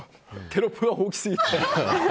テロップが大きすぎて。